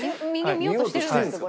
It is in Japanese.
右を見ようとしてるんですか？